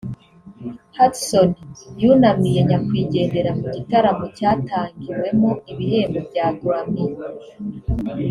Hudson yunamiye nyakwigendera mu gitaramo cyatangiwemo ibihembo bya Grammy